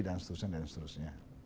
dan seterusnya dan seterusnya